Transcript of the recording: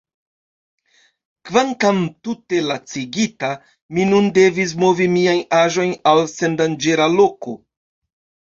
Kvankam tute lacigita, mi nun devis movi miajn aĵojn al sendanĝera loko.